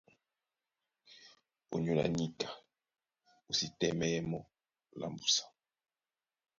Ónyólá níka o sí tɛ́mɛ́yɛ́ mɔ́ lá mbúsa.